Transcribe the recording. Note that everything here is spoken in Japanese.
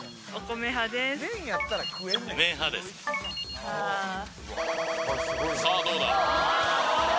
さあ、どうだ？